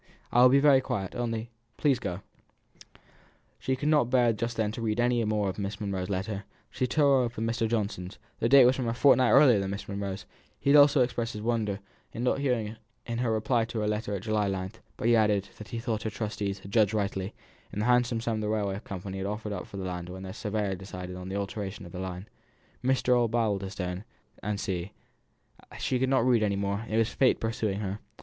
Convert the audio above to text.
I will be very quiet; only, please, go." She could not bear just then to read any more of Miss Monro's letter; she tore open Mr. Johnson's the date was a fortnight earlier than Miss Monro's; he also expressed his wonder at not hearing from her, in reply to his letter of January 9; but he added, that he thought that her trustees had judged rightly; the handsome sum the railway company had offered for the land when their surveyor decided on the alteration of the line, Mr. Osbaldistone, &c. &c. She could not read anymore; it was Fate pursuing her.